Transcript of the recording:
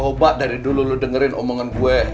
coba dari dulu lo dengerin omongan gue